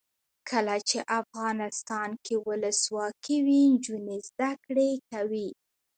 کله چې افغانستان کې ولسواکي وي نجونې زده کړې کوي.